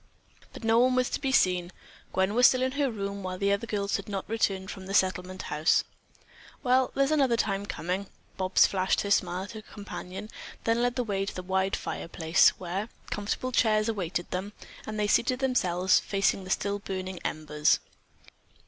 But no one was to be seen. Gwen was still in her room, while the other girls had not returned from the Settlement House. "Well, there's another time coming." Bobs flashed a smile at her companion, then led the way to the wide fireplace, where comfortable chairs awaited them, and they seated themselves facing the still burning embers.